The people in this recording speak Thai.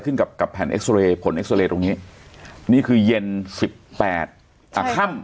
ขึ้นกับกับแผ่นผลตรงนี้นี่คือเย็นสิบแปดใช่ค่ะอ่าค่ำ